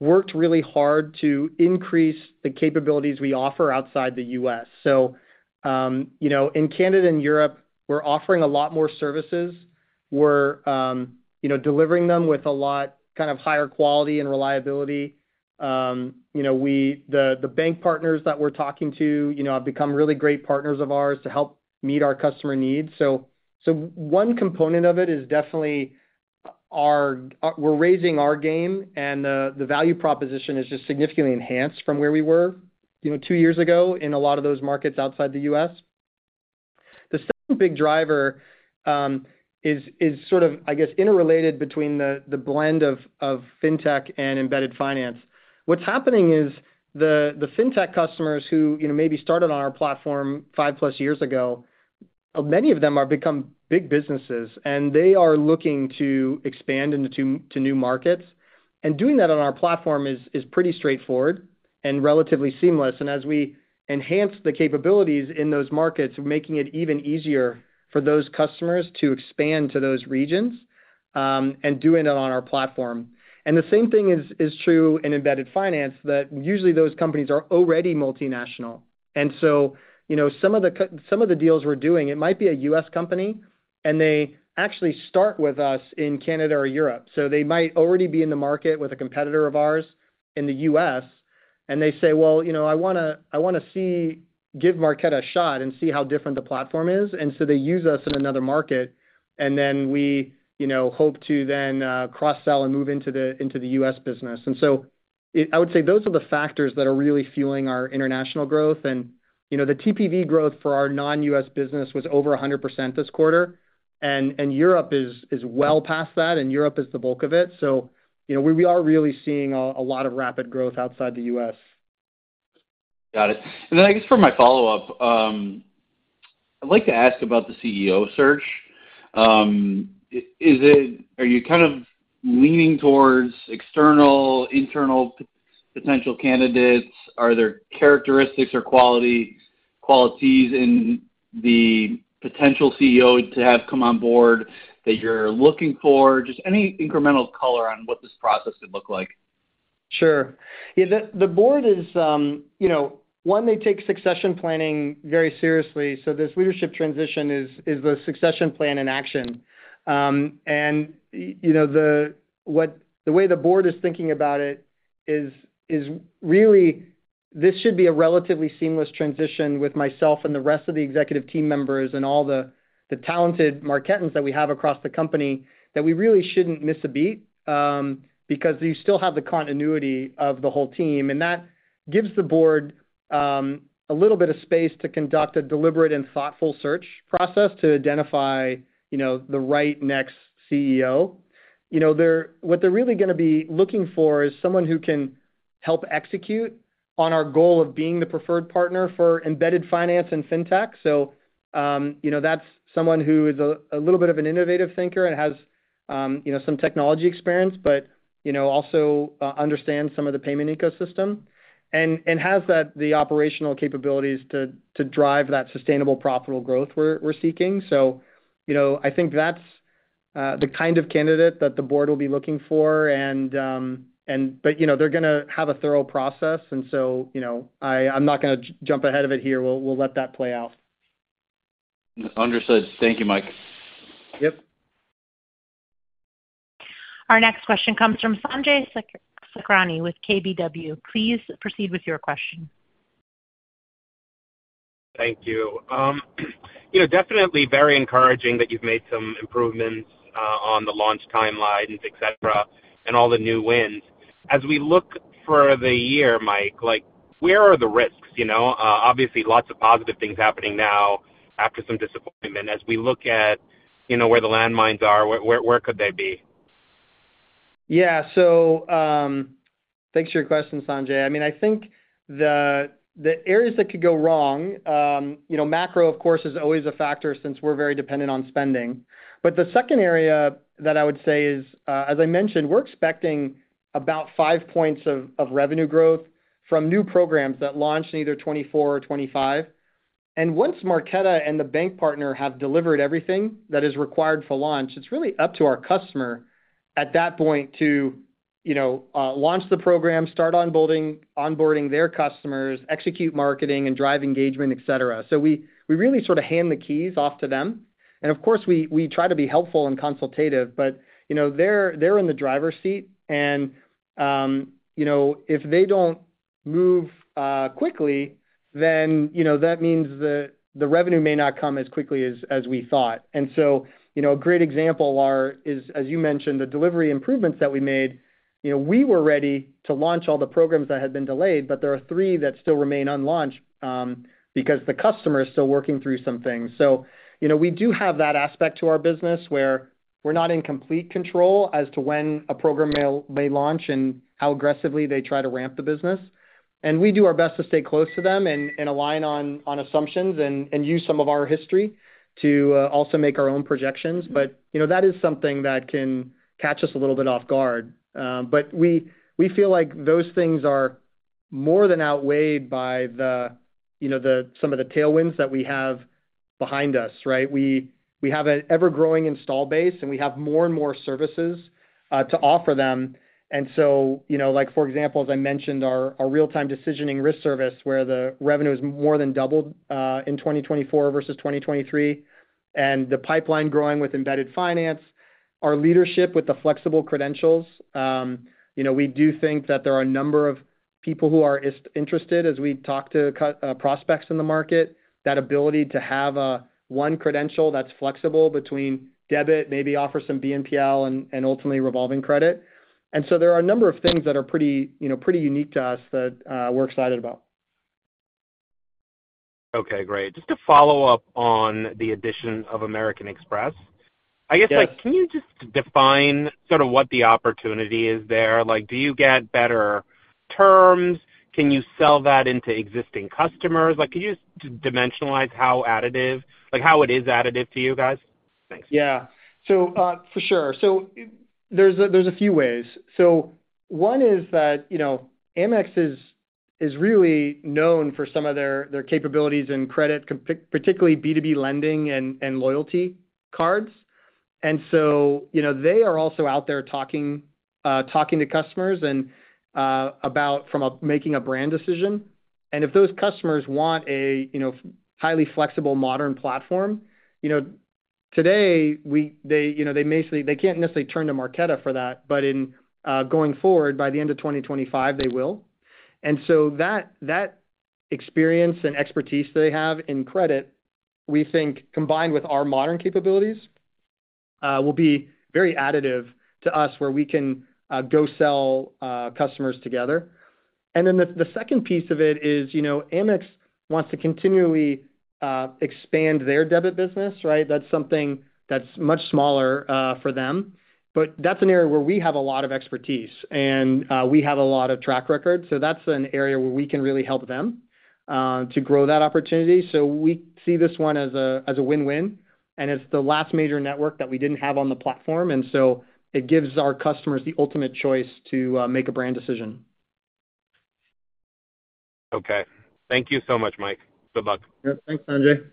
worked really hard to increase the capabilities we offer outside the U.S. So in Canada and Europe, we're offering a lot more services. We're delivering them with a lot kind of higher quality and reliability. The bank partners that we're talking to have become really great partners of ours to help meet our customer needs. So one component of it is definitely we're raising our game, and the value proposition is just significantly enhanced from where we were two years ago in a lot of those markets outside the U.S. The second big driver is sort of, I guess, interrelated between the blend of fintech and embedded finance. What's happening is the fintech customers who maybe started on our platform five plus years ago, many of them have become big businesses, and they are looking to expand into new markets. And doing that on our platform is pretty straightforward and relatively seamless. And as we enhance the capabilities in those markets, we're making it even easier for those customers to expand to those regions and doing it on our platform. And the same thing is true in embedded finance that usually those companies are already multinational. And so some of the deals we're doing, it might be a U.S. company, and they actually start with us in Canada or Europe. So they might already be in the market with a competitor of ours in the U.S., and they say, "Well, I want to give Marqeta a shot and see how different the platform is." And so they use us in another market, and then we hope to then cross-sell and move into the U.S. business. And so I would say those are the factors that are really fueling our international growth. And the TPV growth for our non-U.S. business was over 100% this quarter. And Europe is well past that, and Europe is the bulk of it. So we are really seeing a lot of rapid growth outside the U.S. Got it. And then I guess for my follow-up, I'd like to ask about the CEO search. Are you kind of leaning towards external, internal potential candidates? Are there characteristics or qualities in the potential CEO to have come on board that you're looking for? Just any incremental color on what this process could look like. Sure. Yeah, the board is on it, they take succession planning very seriously. So this leadership transition is the succession plan in action. And the way the board is thinking about it is really, this should be a relatively seamless transition with myself and the rest of the executive team members and all the talented Marqetans that we have across the company that we really shouldn't miss a beat because you still have the continuity of the whole team. That gives the board a little bit of space to conduct a deliberate and thoughtful search process to identify the right next CEO. What they're really going to be looking for is someone who can help execute on our goal of being the preferred partner for embedded finance and fintech. So that's someone who is a little bit of an innovative thinker and has some technology experience, but also understands some of the payment ecosystem and has the operational capabilities to drive that sustainable profitable growth we're seeking. So I think that's the kind of candidate that the board will be looking for. But they're going to have a thorough process. And so I'm not going to jump ahead of it here. We'll let that play out. Understood. Thank you, Mike. Yep. Our next question comes from Sanjay Sakhrani with KBW. Please proceed with your question. Thank you. Definitely very encouraging that you've made some improvements on the launch timeline, etc., and all the new wins. As we look for the year, Mike, where are the risks? Obviously, lots of positive things happening now after some disappointment. As we look at where the landmines are, where could they be? Yeah. So thanks for your question, Sanjay. I mean, I think the areas that could go wrong, macro, of course, is always a factor since we're very dependent on spending. But the second area that I would say is, as I mentioned, we're expecting about five points of revenue growth from new programs that launch in either 2024 or 2025. And once Marqeta and the bank partner have delivered everything that is required for launch, it's really up to our customer at that point to launch the program, start onboarding their customers, execute marketing, and drive engagement, etc. So we really sort of hand the keys off to them. And of course, we try to be helpful and consultative, but they're in the driver's seat. And if they don't move quickly, then that means the revenue may not come as quickly as we thought. And so a great example is, as you mentioned, the delivery improvements that we made. We were ready to launch all the programs that had been delayed, but there are three that still remain unlaunched because the customer is still working through some things. So we do have that aspect to our business where we're not in complete control as to when a program may launch and how aggressively they try to ramp the business. And we do our best to stay close to them and align on assumptions and use some of our history to also make our own projections. But that is something that can catch us a little bit off guard. But we feel like those things are more than outweighed by some of the tailwinds that we have behind us, right? We have an ever-growing installed base, and we have more and more services to offer them. And so, for example, as I mentioned, our real-time decisioning risk service where the revenue is more than doubled in 2024 versus 2023, and the pipeline growing with embedded finance, our leadership with the flexible credentials. We do think that there are a number of people who are interested, as we talk to prospects in the market, that ability to have one credential that's flexible between debit, maybe offer some BNPL, and ultimately revolving credit. And so there are a number of things that are pretty unique to us that we're excited about. Okay, great. Just to follow up on the addition of American Express, I guess, can you just define sort of what the opportunity is there? Do you get better terms? Can you sell that into existing customers? Could you just dimensionalize how it is additive to you guys? Thanks. Yeah. So for sure. So there's a few ways. So one is that Amex is really known for some of their capabilities in credit, particularly B2B lending and loyalty cards. And so they are also out there talking to customers about making a brand decision. And if those customers want a highly flexible, modern platform, today, they can't necessarily turn to Marqeta for that, but going forward, by the end of 2025, they will. And so that experience and expertise they have in credit, we think combined with our modern capabilities, will be very additive to us where we can go sell customers together. And then the second piece of it is Amex wants to continually expand their debit business, right? That's something that's much smaller for them. But that's an area where we have a lot of expertise, and we have a lot of track record. So that's an area where we can really help them to grow that opportunity. So we see this one as a win-win. And it's the last major network that we didn't have on the platform. And so it gives our customers the ultimate choice to make a brand decision. Okay. Thank you so much, Mike. Good luck. Yep. Thanks, Sanjay.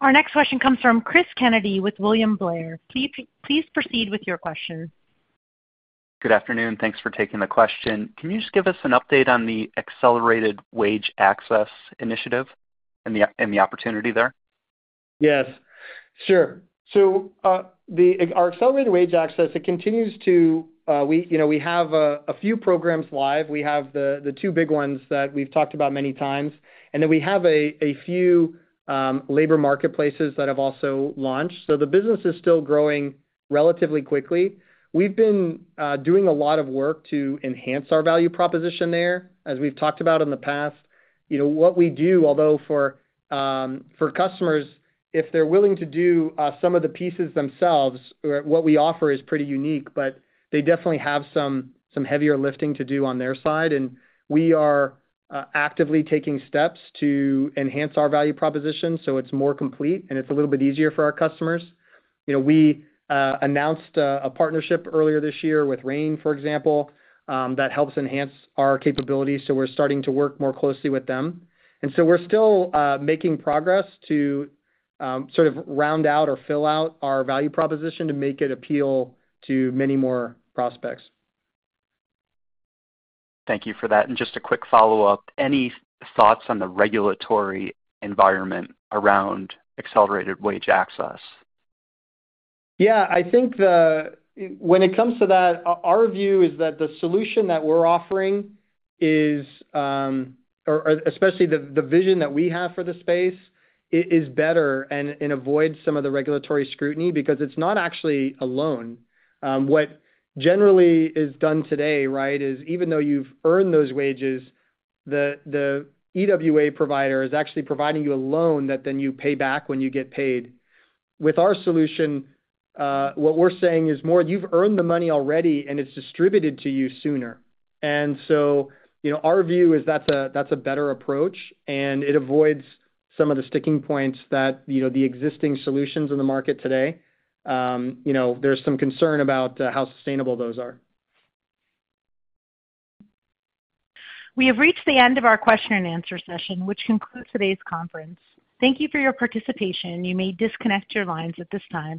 Our next question comes from Chris Kennedy with William Blair. Please proceed with your question. Good afternoon. Thanks for taking the question. Can you just give us an update on the accelerated wage access initiative and the opportunity there? Yes. Sure. So our accelerated wage access, it continues to, we have a few programs live. We have the two big ones that we've talked about many times. And then we have a few labor marketplaces that have also launched. So the business is still growing relatively quickly. We've been doing a lot of work to enhance our value proposition there, as we've talked about in the past. What we do, although for customers, if they're willing to do some of the pieces themselves, what we offer is pretty unique, but they definitely have some heavier lifting to do on their side. And we are actively taking steps to enhance our value proposition so it's more complete and it's a little bit easier for our customers. We announced a partnership earlier this year with Rain, for example, that helps enhance our capabilities, so we're starting to work more closely with them, and so we're still making progress to sort of round out or fill out our value proposition to make it appeal to many more prospects. Thank you for that, and just a quick follow-up. Any thoughts on the regulatory environment around accelerated wage access? Yeah. I think when it comes to that, our view is that the solution that we're offering, or especially the vision that we have for the space, is better and avoids some of the regulatory scrutiny because it's not actually a loan. What generally is done today, right, is even though you've earned those wages, the EWA provider is actually providing you a loan that then you pay back when you get paid. With our solution, what we're saying is more you've earned the money already, and it's distributed to you sooner, and so our view is that's a better approach, and it avoids some of the sticking points that the existing solutions in the market today. There's some concern about how sustainable those are. We have reached the end of our question and answer session, which concludes today's conference. Thank you for your participation. You may disconnect your lines at this time.